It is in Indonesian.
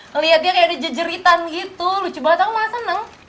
ngelihat dia kayak ada jeritan gitu lucu banget aku mah seneng